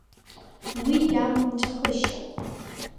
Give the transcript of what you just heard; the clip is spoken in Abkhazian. Уи иамам ҵәахышьа.